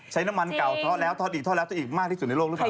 น้ำมันเก่าทอดแล้วทอดอีกทอดแล้วทอดอีกมากที่สุดในโลกหรือเปล่า